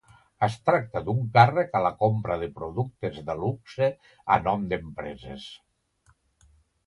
Es tracta d'un càrrec a la compra de productes de luxe a nom d'empreses.